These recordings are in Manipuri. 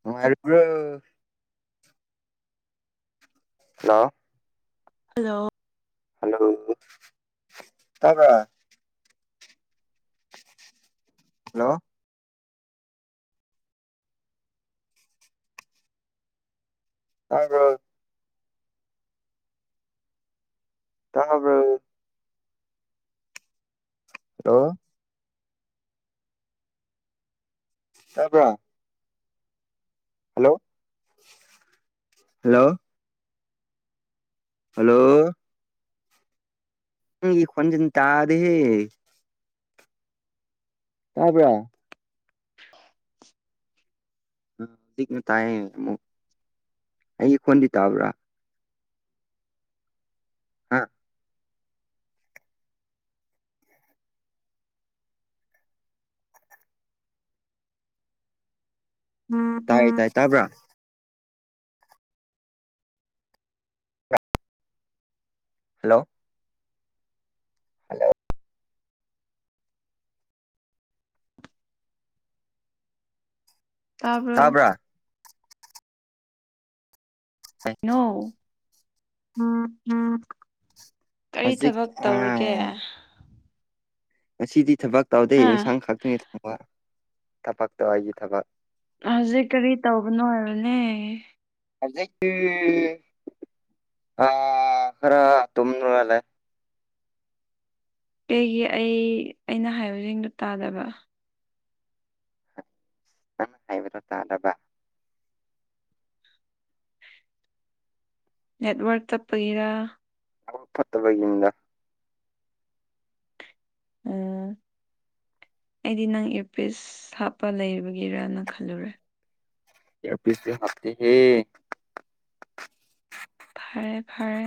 ꯅꯨꯡꯉꯥꯏꯔꯤꯕꯔꯣ ꯍꯜꯂꯣ ꯍꯜꯂꯣ ꯍꯜꯂꯣ ꯇꯥꯕ ꯍꯜꯂꯣ ꯍꯥꯏꯣ ꯇꯕꯔ ꯍꯜꯂꯣ ꯍꯥꯏꯕꯣ ꯍꯂꯣ ꯍꯜꯂꯣ ꯍꯜꯂꯣ ꯅꯪꯒꯤ ꯈꯣꯟꯖꯦꯟ ꯇꯥꯔꯦ ꯇꯥꯕꯔꯥ [unintelligible] ꯍꯧꯖꯤꯛꯅ ꯇꯥꯏ ꯑꯃꯨꯛ ꯑꯩꯒꯤ ꯐꯣꯟꯗꯤ ꯇꯥꯕ꯭ꯔꯥ ꯍꯥꯥ ꯇꯥꯏꯌꯦ ꯇꯥꯏ ꯎꯝ ꯇꯥꯕ꯭ꯔꯥ ꯍꯜꯂꯣ ꯍꯜꯂꯣ ꯇꯥꯔꯕꯔ ꯇꯥꯕ꯭ꯔꯥ ꯅꯧ ꯀꯔꯤ ꯍꯧꯖꯤꯛ ꯊꯕꯛ ꯇꯧꯔꯒꯦ ꯑꯥ ꯉꯁꯤꯗꯤ ꯊꯕꯛ ꯇꯧꯗꯦ ꯍꯥ ꯏꯟꯁꯥꯡ ꯈꯛꯇꯒꯤ ꯊꯕ ꯊꯕꯛꯇꯧ ꯑꯩꯒꯤ ꯊꯕꯛ ꯍꯧꯖꯤꯛ ꯀꯔꯤ ꯇꯧꯕꯅꯣ ꯍꯥꯏꯕꯅꯦ ꯍꯧꯖꯤꯛꯇꯤ ꯑ ꯈꯔ ꯇꯣꯃꯤꯅꯂꯦ ꯀꯩꯒꯤ ꯑꯩ ꯑꯩꯅ ꯍꯥꯏꯌꯁꯤꯡꯗꯣ ꯇꯥꯗꯕ ꯑꯪꯅ ꯍꯥꯏꯕꯗꯣ ꯇꯥꯗꯕ ꯅꯦꯠꯋꯥꯔꯛ ꯆꯞꯄꯒꯤꯔꯥ ꯑ ꯐꯠꯇꯕꯒꯤꯅꯤꯗ ꯎꯝ ꯑꯩꯗꯤ ꯅꯪ ꯏꯔꯄꯤꯁ ꯍꯥꯞꯄ ꯂꯩꯕꯒꯤꯔꯥꯅ ꯈꯜꯂꯨꯔꯦ ꯢꯌꯔꯄꯤꯁ ꯇꯤ ꯍꯥꯞꯇꯦꯍꯦ ꯐꯔꯦ ꯐꯔꯦ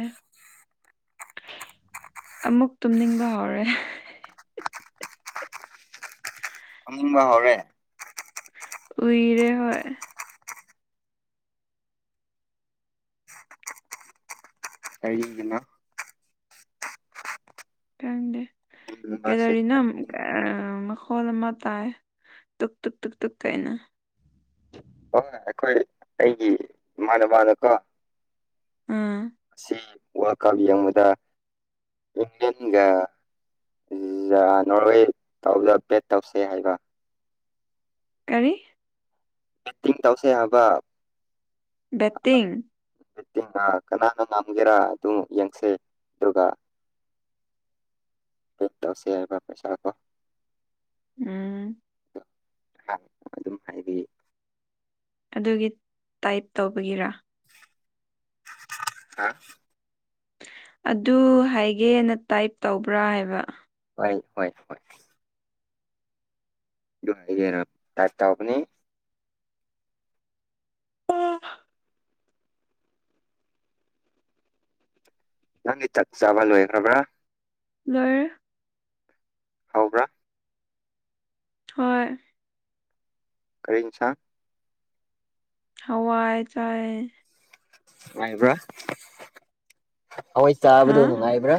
ꯑꯃꯨꯛ ꯇꯨꯝꯅꯤꯡꯕ ꯍꯧꯔꯦ ꯇꯨꯝꯅꯤꯡꯕ ꯍꯧꯔꯦ ꯎꯏꯔꯦ ꯍꯣꯏ ꯀꯔꯤꯚꯤꯟ ꯀꯗꯦ ꯀꯦꯗꯧꯔꯤꯅ ꯑ ꯍꯣꯜ ꯑꯃ ꯇꯥꯏ ꯇꯗꯨꯨꯛ ꯇꯨꯛ ꯇꯨꯛ ꯇꯨꯛ ꯀꯩꯅ ꯍꯣꯏꯣꯏ ꯑꯩꯈꯣꯏ ꯑꯩꯒꯤ ꯏꯃꯥꯟꯅꯕꯗꯀꯣ ꯑꯝ ꯑꯁꯤ ꯋꯥꯈꯜ ꯌꯦꯡꯕꯗ ꯏꯪꯂꯪꯂꯦꯟꯒ ꯅꯣꯔꯦ ꯇꯧꯗ ꯄ꯭ꯂꯦꯠ ꯇꯧꯁꯦ ꯍꯥꯏꯕ ꯀꯔꯤ ꯕꯠꯇꯤꯡ ꯇꯧꯁꯦ ꯍꯥꯏꯕ ꯕꯦꯠꯇꯤꯡ ꯕꯦꯠꯇꯤꯡ ꯀꯅꯥꯅ ꯉꯝꯒꯦꯔꯥ ꯑꯗꯨꯝ ꯌꯦꯡꯁꯦ ꯑꯗꯨꯒ ꯑꯗꯨ ꯇꯧꯁꯦꯕ ꯄꯩꯁꯥ ꯗꯣ ꯎꯝ ꯑꯗꯨꯝ ꯍꯥꯏꯗꯤ ꯑꯗꯨꯒꯤ ꯇꯥꯏꯞ ꯇꯧꯕꯒꯤꯔꯥ ꯍꯥ ꯑꯗꯨ ꯍꯥꯏꯒꯦꯅ ꯇꯥꯏꯄ ꯇꯧꯕ꯭ꯔꯥ ꯍꯥꯏꯕ ꯍꯣꯏ ꯍꯣꯏ ꯍꯣꯏ ꯑꯗꯨ ꯍꯥꯢꯒꯦꯅ ꯇꯥꯢꯄ ꯇꯧꯕꯅꯤ [unintelligible] ꯅꯪꯗꯤ ꯆꯥꯛ ꯆꯥꯕ ꯂꯣꯏꯈ꯭ꯔꯕ꯭ꯔꯥ ꯂꯣꯏꯔꯦ ꯍꯥꯎꯕ꯭ꯔꯥ ꯍꯣꯏ ꯀꯔꯤ ꯢꯟꯁꯥꯡ ꯍꯋꯥꯢ ꯆꯥꯢꯌꯦ ꯅꯨꯡꯉꯥꯏꯕ꯭ꯔꯥ ꯍꯋꯥꯏ ꯍꯥ ꯆꯥꯕꯗꯣ ꯅꯨꯡꯉꯥꯏꯕ꯭ꯔꯥ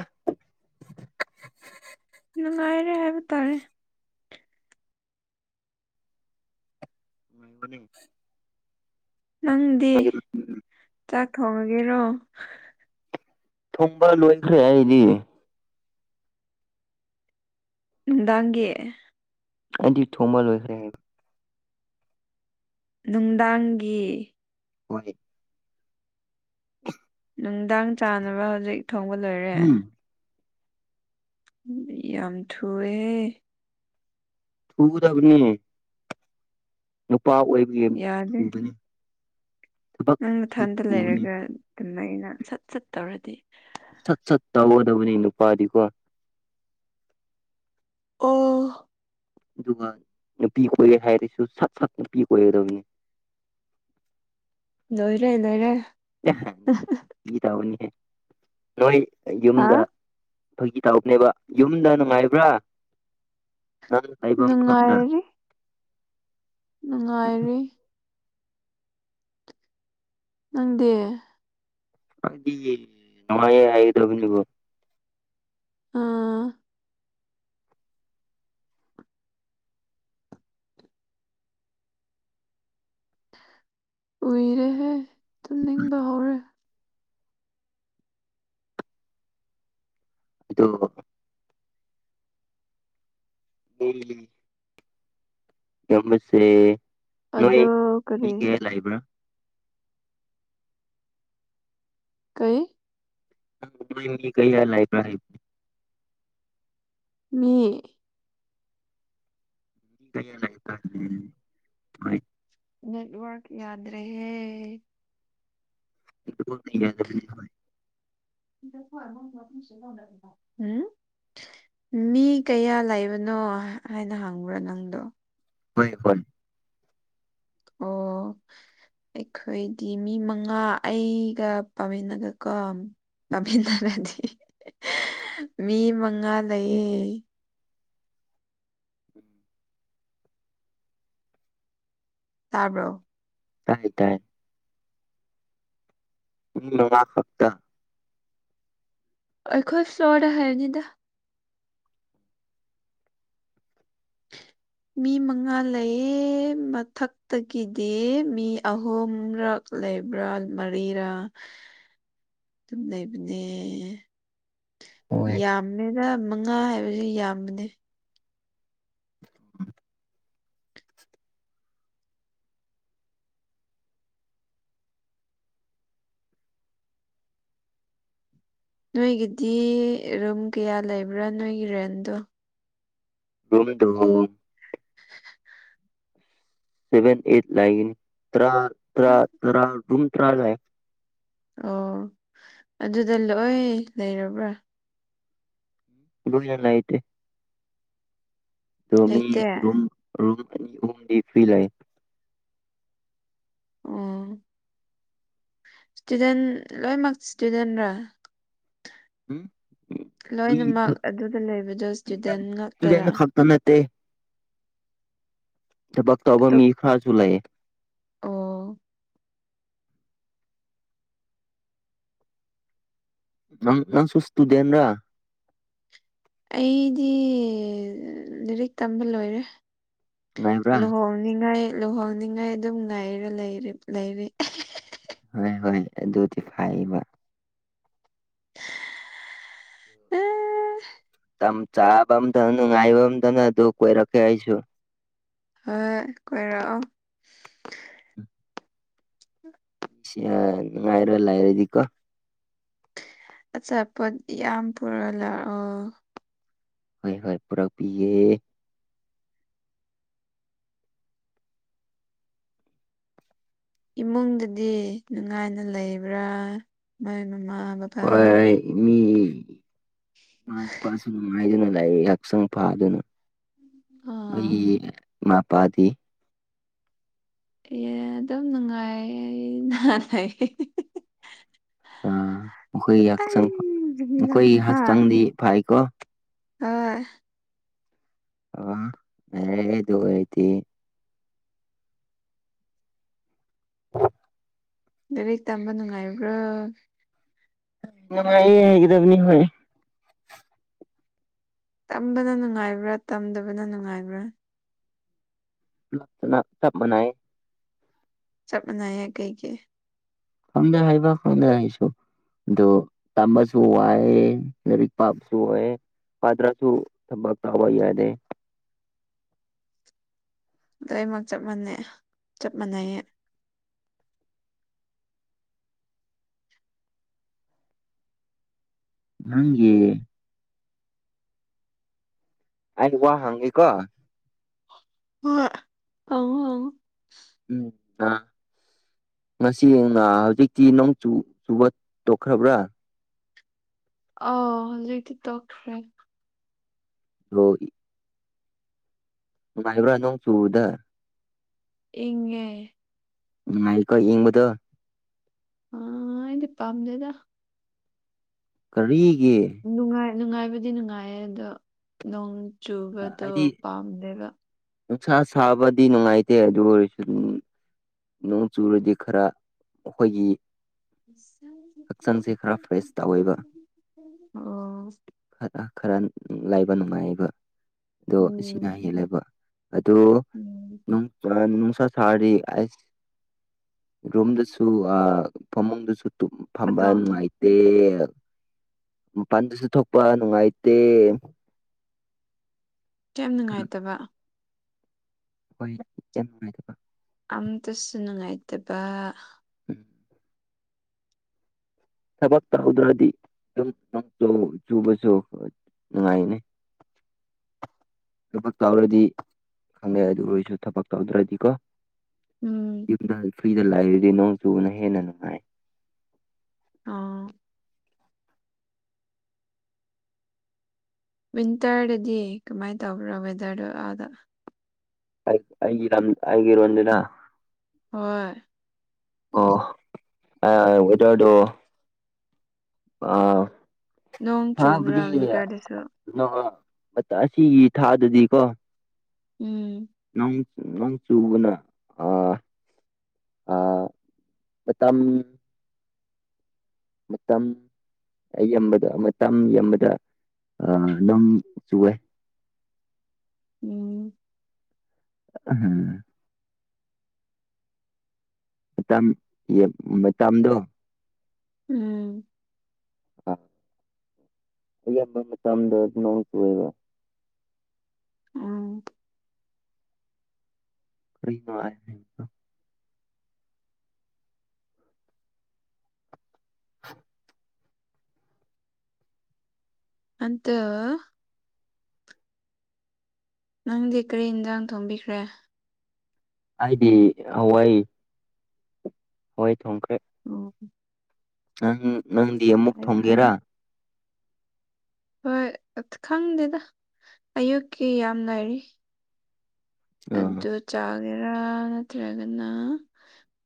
ꯅꯨꯡꯉꯥꯏꯔꯦ ꯍꯥꯏꯕ ꯇꯥꯔꯦ ꯅꯨꯡꯉꯥꯏꯕꯅꯦ ꯅꯪꯗꯤ ꯆꯥꯛ ꯊꯣꯡꯉꯒꯦꯔꯣ ꯊꯣꯡꯕ ꯂꯣꯏꯈ꯭ꯔꯦ ꯑꯩꯗꯤ ꯅꯨꯡꯗꯥꯡꯒꯤ ꯑꯩꯗꯤ ꯊꯣꯡꯕ ꯂꯣꯏꯈ꯭ꯔꯦ ꯍꯥꯏꯕ ꯅꯨꯡꯗꯥꯡꯒꯤ ꯍꯣꯏ ꯅꯨꯡꯗꯥꯡ ꯆꯥꯅꯕ ꯍꯧꯖꯤꯛ ꯊꯣꯡꯕ ꯂꯣꯏꯔꯦ ꯎꯝ ꯌꯥꯝ ꯊꯨꯢꯍꯦ ꯊꯨꯒꯗꯕꯅꯤ ꯅꯨꯄꯥ ꯑꯣꯏꯕꯒꯤ ꯌꯥꯗꯦ ꯊꯨꯕꯅꯤ ꯊꯕꯛ ꯅꯪ ꯅꯊꯟꯗ ꯊꯨꯕꯅꯤ ꯂꯩꯔꯒ ꯑꯗꯨꯃꯥꯢꯅ ꯁꯠ ꯁꯠ ꯇꯧꯔꯗꯤ ꯁꯠ ꯁꯠ ꯇꯧꯒꯗꯕꯅꯤ ꯅꯨꯄꯥꯗꯤꯀꯣ ꯑꯣ ꯑꯗꯨꯒ ꯅꯨꯄꯤ ꯀꯣꯏꯔꯦ ꯍꯥꯏꯔꯁꯨ ꯁꯠ ꯁꯠ ꯅꯨꯄꯤ ꯀꯣꯏꯒꯗꯕꯅꯤ ꯅꯣꯏꯔꯦ ꯂꯣꯏꯔꯦ ꯐꯥꯒꯤ ꯇꯧꯕꯅꯤ ꯅꯣꯏ ꯍꯥ ꯌꯨꯝꯗ ꯑꯩꯈꯣꯏꯒꯤ ꯇꯔꯞꯅꯦꯕ ꯌꯨꯝꯗ ꯅꯨꯡꯉꯥꯏꯕ꯭ꯔꯥ ꯪ ꯍꯥꯏꯕꯅ ꯎꯉꯥꯏꯔꯤ ꯅꯪꯗꯦ ꯗꯤ ꯅꯉꯦ ꯍꯥꯏꯒꯗꯕꯅꯤꯕꯨ ꯑ ꯎꯏꯔꯦ ꯍꯦ ꯇꯨꯝꯅꯤꯡꯕ ꯍꯧꯔꯦ ꯑꯗꯨ [unintelligible] ꯅꯝꯕꯁꯦ ꯅꯣꯏ ꯑꯗꯣ ꯃꯤ ꯀꯔꯤ ꯀꯌꯥ ꯂꯩꯕ꯭ꯔꯥ ꯀꯩ ꯃꯤ ꯀꯩ ꯍꯥꯏ ꯂꯥꯏꯕꯔꯥ ꯃꯤ [inaudible] ꯅꯜ ꯋꯥꯀꯤꯗ꯭ꯔꯦ ꯍꯦ [inaudible] [unintelligible] ꯎꯝ ꯃꯤ ꯀꯌꯥ ꯂꯩꯕꯅꯣ ꯍꯥꯏꯅ ꯍꯪꯕ꯭ꯔꯥ ꯅꯪꯗꯣ ꯍꯣꯏ ꯍꯣꯏ ꯑꯣ ꯑꯩꯈꯣꯏꯗꯤ ꯃꯤ ꯃꯉꯥ ꯑꯩꯒ ꯄꯥꯝꯃꯤꯟꯅꯒꯀꯣ [unintelligible] ꯃꯤ ꯃꯉꯥ ꯂꯩꯌꯦ ꯇꯥꯔꯕꯣ ꯇꯥꯏꯌꯦ ꯇꯥꯏ [unintelligible] ꯈꯛꯇ ꯑꯩꯈꯣꯏ ꯐ꯭ꯂꯣꯔꯗ ꯍꯥꯏꯕꯅꯤꯗ ꯍ ꯃꯤ ꯃꯉꯥ ꯂꯩꯌꯦ ꯃꯊꯛꯇꯒꯤꯗꯤ ꯃꯤ ꯑꯍꯨꯝꯔꯛ ꯂꯩꯕ꯭ꯔꯥ ꯃꯔꯤꯔꯥ ꯂꯩꯕꯅꯦ ꯌꯥꯝꯃꯦꯗ ꯃꯉꯥ ꯍꯥꯏꯕꯕꯁꯤ ꯌꯥꯝꯕꯅꯦ [inaudible] ꯅꯣꯏꯒꯤꯗꯤ ꯔꯨꯝ ꯀꯌꯥ ꯂꯩꯕ꯭ꯔꯥ ꯅꯣꯏꯒꯤ ꯔꯦꯟꯇꯣ [unintelligible] ꯁꯦꯚꯦꯟ ꯑꯦꯠ ꯂꯩꯒꯅꯤ ꯇꯔꯥ ꯇꯔꯥ ꯇꯔꯥ ꯑꯗꯨꯝ ꯇ꯭ꯔꯥ ꯂꯩꯒꯅꯤ ꯑꯣ ꯑꯗꯨꯗ ꯂꯣꯏ ꯂꯩꯔꯕ꯭ꯔꯥ [unintelligible] ꯂꯩꯇꯦ ꯑꯗꯣ ꯃꯤ ꯂꯩꯇꯦ ꯔꯨꯝ ꯔꯨꯝ ꯗꯤ ꯐ꯭ꯔꯤ ꯂꯩ ꯑꯣ ꯏꯁꯇꯨꯗꯦꯟ ꯂꯣꯏꯃꯛ ꯏꯁꯇꯨꯗꯦꯟ꯭ꯔꯥ ꯃꯤ ꯂꯣꯏꯅꯃꯛ ꯑꯗꯨꯗ ꯂꯩꯕꯗꯣ ꯏꯁꯇꯨꯗꯦꯟ ꯉꯥꯛꯇꯔꯥ [unintelligible] ꯊꯕꯛ ꯇꯧꯕ ꯃꯤ ꯑꯇꯣꯞ ꯈꯔꯁꯨ ꯂꯩꯌꯦ ꯑꯣ ꯅꯪ ꯅꯪ ꯁꯨ ꯏꯁꯇꯨꯗꯦꯟꯔꯥ ꯑꯩꯗꯤ ꯂꯥꯏꯔꯤꯛ ꯇꯝꯕ ꯂꯣꯏꯔꯦ ꯉꯥꯏꯕ꯭ꯔꯥ ꯂꯨꯍꯣꯡꯅꯤꯡꯉꯥꯏ ꯂꯨꯍꯣꯡꯅꯤꯡꯉꯥꯏ ꯑꯗꯨꯝ ꯉꯥꯏꯔ ꯂꯩ ꯂꯩꯔꯤ ꯍꯣꯏ ꯍꯣꯏ ꯑꯗꯨꯗꯤ ꯐꯩꯕ [unintelligible] ꯃꯇꯝ ꯆꯥꯕ ꯑꯝꯇꯅ ꯅꯨꯡꯉꯥꯏꯕ ꯑꯃꯝꯇꯅ ꯑꯗꯨ ꯀꯣꯏꯔꯛꯀꯦ ꯑꯩꯁꯨ ꯍꯣꯏ ꯀꯣꯏꯔꯛꯑꯣ [unintelligible] ꯅꯨꯉꯥꯏꯔ ꯂꯩꯔꯗꯤꯀꯣ ꯑꯆꯥꯄꯣꯠ ꯌꯥꯝ ꯄꯨꯔ ꯂꯥꯛꯑꯣ ꯍꯣꯏ ꯍꯣꯏ ꯄꯨꯔꯛꯄꯤꯒꯦ ꯏꯃꯨꯡꯗꯗꯤ ꯅꯨꯡꯉꯥꯏꯅ ꯂꯩꯕ꯭ꯔꯥ ꯃꯣꯏ ꯃꯃꯥ ꯕꯥ ꯍꯣꯏ ꯃꯤ ꯏꯥꯃꯥ ꯏꯄꯥꯁꯨ ꯅꯨꯉꯥꯏꯗꯨꯅꯥ ꯂꯩꯌꯦ [unintelligible] ꯐꯥꯗꯨꯅ ꯅꯣꯏ ꯑꯥ ꯏꯃꯥꯄꯥꯗꯤ ꯑꯦ ꯑꯗꯨꯝ ꯅꯨꯡꯉꯥꯏꯌꯦ [unintelligible] ꯑꯥ ꯃꯈꯣꯏꯒꯤ ꯍꯛꯆꯥꯡ ꯃꯈꯣꯏꯒꯤ ꯍꯥ ꯍꯛꯆꯥꯡꯗꯤ ꯐꯥꯏꯀꯣ ꯍꯣꯏ ꯑꯣ [unintelligible] ꯑꯗꯨ ꯑꯣꯏꯗꯤ ꯂꯥꯏꯔꯤꯛ ꯇꯝꯕ ꯅꯨꯡꯉꯥꯏꯕ꯭ꯔꯣ ꯅꯨꯡꯉꯥꯏꯌꯦ ꯍꯥꯏꯒꯗꯕꯅꯤ ꯍꯣꯏ ꯇꯝꯕꯅ ꯅꯨꯡꯉꯥꯏꯕ꯭ꯔꯥ ꯇꯝꯗꯕꯅ ꯅꯨꯡꯉꯥꯏꯕ꯭ꯔꯥ [unintelligible] ꯆꯞ ꯃꯅꯥꯏ ꯆꯝ ꯃꯥꯅꯩꯌꯦ ꯀꯩꯒꯤ ꯈꯪꯗꯦ ꯍꯥꯏꯕ ꯈꯪꯗꯦ ꯍꯥꯏꯁꯨ ꯑꯗꯨ ꯇꯝꯕꯁꯨ ꯋꯥꯏ ꯂꯥꯏꯔꯤꯛ ꯄꯥꯕꯁꯨ ꯋꯥꯏꯌꯦ ꯄꯥꯇ꯭ꯔꯁꯨ ꯊꯕꯛ ꯇꯩꯕ ꯌꯥꯗꯦ ꯂꯣꯏꯃꯛ ꯆꯞ ꯃꯥꯟꯅꯩ ꯆꯞ ꯃꯥꯟꯅꯩꯌꯦ ꯅꯪꯒꯤ- ꯑ ꯋꯥ ꯍꯪꯒꯦꯀꯣ ꯍꯣꯏ ꯍꯪꯉꯨ ꯍꯪꯉꯨ ꯎꯝ ꯑ ꯉꯁꯤ ꯍꯧꯖꯤꯛꯇꯤ ꯅꯣꯡ ꯆꯨꯕ ꯇꯣꯛꯈ꯭ꯔꯕ꯭ꯔꯥ ꯑ ꯂꯤꯗꯤ ꯇꯣꯛꯈ꯭ꯔꯦ ꯍꯒꯤ ꯅꯨꯡꯉꯥꯏꯕ꯭ꯔꯥ ꯅꯣꯡ ꯆꯨꯕꯗ ꯏꯡꯉꯦ ꯅꯨꯈꯥꯏꯀꯣ ꯏꯡꯕꯗꯨ ꯑ ꯑꯩꯗꯤ ꯄꯥꯝꯗꯦꯗ ꯀꯔꯤꯒꯤ ꯅꯨꯡꯉꯥꯏ ꯕꯗꯤ ꯅꯨꯡꯉꯥꯏꯌꯦ ꯑꯗꯣ ꯅꯣꯡ ꯆꯨꯕꯗꯣ ꯍꯥꯏꯗꯤ ꯄꯥꯝꯗꯦꯕ ꯅꯨꯡꯁꯥ ꯁꯥꯕꯗꯤ ꯅꯨꯡꯉꯥꯏꯇꯦ ꯑꯗꯨ ꯑꯣꯏꯔꯁꯨ ꯑꯗꯨꯝ ꯅꯣꯡ ꯆꯨꯔꯗꯤ ꯈꯔ ꯑꯩꯈꯣꯏꯒꯤ ꯏ ꯍꯛꯆꯥꯡꯁꯦ ꯈꯔ ꯐ꯭ꯔꯦꯁ ꯇꯧꯋꯦꯕ ꯑꯣ ꯈꯔꯥ ꯂꯩꯕꯥ ꯅꯨꯡꯉꯥꯏꯌꯦꯕꯥ ꯑꯗꯣ ꯑꯁꯤꯅ ꯎꯝ ꯍꯦꯜꯂꯦꯕ ꯑꯗꯣ ꯎꯝ ꯅꯣꯡ ꯅꯨꯡꯁꯥ ꯁꯥꯔꯥꯗꯤ ꯔꯣꯝꯗꯁꯨ ꯐꯃꯨꯡꯗꯁꯨ ꯐꯝꯕ ꯑꯇꯣ ꯑꯇꯣ ꯅꯨꯡꯉꯥꯏ ꯇ ꯃꯄꯥꯟꯗꯨꯁꯨ ꯊꯣꯛꯄ ꯅꯨꯡꯉꯥꯏꯇꯦ ꯌꯥꯝ ꯅꯨꯡꯉꯥꯏꯇꯕ ꯍꯣꯏ ꯌꯥꯝ ꯅꯨꯡꯉꯥꯏꯇꯕ ꯑꯝꯇꯁꯨ ꯅꯨꯡꯉꯥꯏꯇꯕ ꯎꯝ ꯊꯕꯛ ꯇꯧꯗ꯭ꯔꯗꯤ ꯑꯗꯨꯝ ꯆꯨꯕꯁꯨ ꯅꯨꯡꯉꯥꯏꯅꯤ [inaudible] ꯊꯕꯛ ꯇꯧꯔꯥꯗꯤ ꯈꯪꯉꯦ ꯑꯗꯨ ꯑꯣꯏꯔꯁꯨ ꯊꯕꯛ ꯇꯧꯗ꯭ꯔꯗꯤꯀꯣ ꯎꯝ ꯌꯨꯝꯗ ꯐ꯭ꯔꯤꯗ ꯂꯩꯔꯗꯤ ꯅꯣꯡ ꯆꯨꯕꯅ ꯍꯦꯟꯅ ꯅꯨꯡꯉꯥꯏ ꯑꯣ ꯋꯤꯟꯇꯔꯗꯗꯤ ꯀꯃꯥꯏꯅ ꯇꯧꯕ꯭ꯔꯣ ꯋꯦꯗꯔꯗꯤ ꯑꯗꯥ ꯑꯩꯒꯤ ꯂꯝ ꯑꯩꯒꯤꯔꯣꯟꯗꯨꯅ ꯍꯣꯏ ꯑꯣ ꯋꯦꯗꯔꯗꯣ ꯑꯥ ꯅꯣꯡ ꯆꯨꯕ꯭ꯔꯥ ꯋꯤꯟꯇꯔꯗꯁꯨ ꯑꯁꯤꯒꯤ ꯊꯥꯗꯗꯤꯀꯣ ꯎꯝ ꯅꯣꯡ ꯅꯣꯡ ꯆꯨꯕꯅ ꯑꯥ ꯑꯥ ꯃꯥꯇꯝ ꯃꯥꯇꯝ ꯑꯌꯝꯕꯗꯥ ꯃꯥꯇꯝ ꯑꯌꯝꯕꯗ ꯅꯣꯡ ꯆꯨꯋꯦ ꯎꯝ ꯎꯝ ꯃꯇꯝ ꯃꯇꯝꯗꯣ ꯎꯝ ꯑ ꯑꯌꯥꯝꯕꯥ ꯃꯇꯝꯗ ꯅꯣꯡ ꯆꯨꯋꯦꯕꯥ ꯎꯝ [unintelligible] [unintelligible] ꯑꯗꯣ ꯅꯪꯗꯤ ꯀꯔꯤ ꯏꯟꯖꯥꯡ ꯊꯣꯡꯕꯤꯈ꯭ꯔꯦ ꯍꯥꯏꯗꯤ ꯍꯋꯥꯏ ꯍꯋꯥꯏ ꯊꯣꯡꯈ꯭ꯔꯦ ꯑꯝ ꯅꯪ ꯅꯪꯗꯤ ꯑꯃꯨꯛ ꯐꯔꯦ ꯊꯣꯡꯒꯦꯔꯥ ꯍꯣꯏ ꯈꯪꯗꯦꯗ ꯑꯌꯨꯛꯀꯤ ꯌꯥꯝ ꯂꯩꯔꯤ ꯑꯥ ꯑꯗꯨ ꯆꯥꯒꯦꯔꯥ ꯅꯠꯇ꯭ꯔꯒꯅ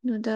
ꯅꯨꯗꯜ